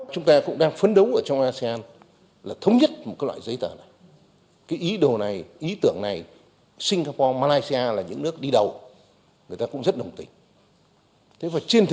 chúng ta cũng đang phấn đấu ở trong malaysia là thống nhất một loại giấy tờ này cái ý tưởng này singapore malaysia là những nước đi đầu người ta cũng rất đồng tình